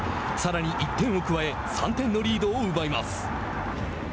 さらに１点を加え３点のリードを奪います。